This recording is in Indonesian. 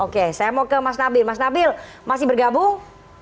oke saya mau ke mas nabil mas nabil masih bergabung